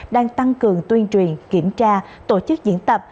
đang tăng cường tuyên truyền kiểm tra tổ chức diễn tập